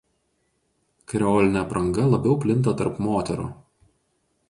Kreolinė apranga labiau plinta tarp moterų.